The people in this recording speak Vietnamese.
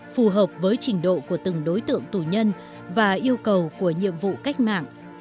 phù hợp với trình độ của từng đối tượng tù nhân và yêu cầu của nhiệm vụ cách mạng